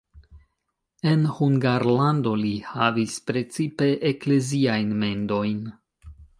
En Hungarlando li havis precipe ekleziajn mendojn.